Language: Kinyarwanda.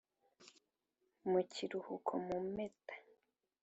mu kiruhuko, mu mpeta;